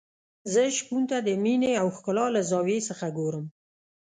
زه شپون ته د مينې او ښکلا له زاویې څخه ګورم.